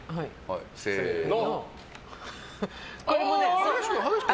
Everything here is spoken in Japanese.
せーの。